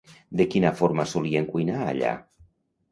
De quina forma solien cuinar allà?